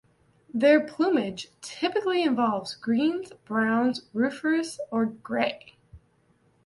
Their plumage typically involves greens, browns, rufous or grey.